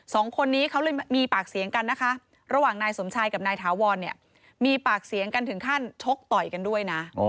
สองคนนี้เขาเลยมีปากเสียงกันนะคะระหว่างนายสมชายกับนายถาวรเนี่ยมีปากเสียงกันถึงขั้นชกต่อยกันด้วยนะ